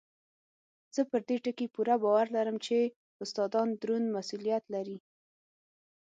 زه پر دې ټکي پوره باور لرم چې استادان دروند مسؤلیت لري.